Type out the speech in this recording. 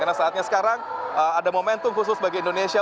karena saatnya sekarang ada momentum khusus bagi indonesia